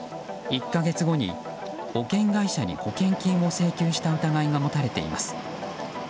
１か月後に保険会社に保険金を請求した疑いが持たれています。